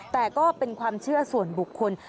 แต่ก็เป็นความเชื่อส่วนบุคคล